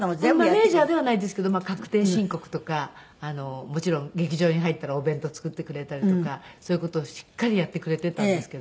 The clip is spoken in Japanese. マネジャーではないですけど確定申告とかもちろん劇場に入ったらお弁当を作ってくれたりとかそういう事をしっかりやってくれていたんですけど。